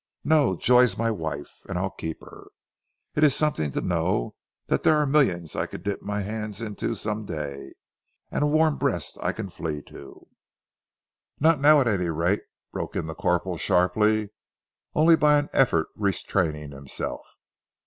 "No, Joy's my wife and I'll keep her. It is something to know that there are millions I can dip my hands in some day, and a warm breast I can flee to " "Not now at any rate," broke in the corporal sharply, only by an effort restraining himself.